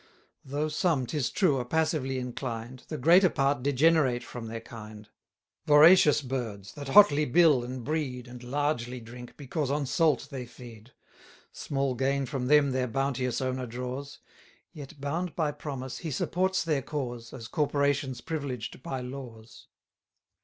Though some, 'tis true, are passively inclined, The greater part degenerate from their kind; 950 Voracious birds, that hotly bill and breed, And largely drink, because on salt they feed. Small gain from them their bounteous owner draws; Yet, bound by promise, he supports their cause, As corporations privileged by laws.